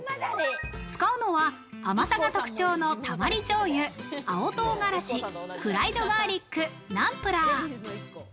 使うのは甘さが特徴のたまりじょうゆ、青唐辛子、フライドガーリック、ナンプラー。